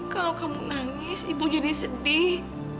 kalau kamu nangis ibu jadi sedih